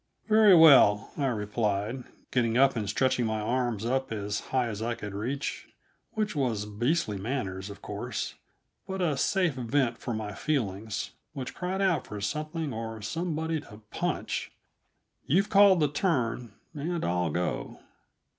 "Very well," I replied, getting up and stretching my arms up as high as I could reach which was beastly manners, of course, but a safe vent for my feelings, which cried out for something or somebody to punch. "You've called the turn, and I'll go.